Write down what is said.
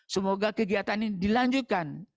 semoga kegiatan ini dilanjutkan